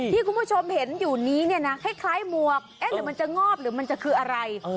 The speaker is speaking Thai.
ที่คุณผู้ชมเห็นอยู่นี้นะให้ใครมวกหรือมันจะงอบหรือมันจะคืออะไร